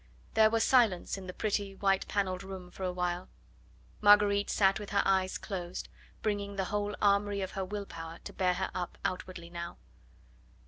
There was silence in the pretty white panelled room for a while. Marguerite sat with her eyes closed, bringing the whole armoury of her will power to bear her up outwardly now.